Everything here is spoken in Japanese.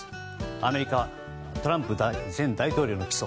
アメリカトランプ前大統領の起訴。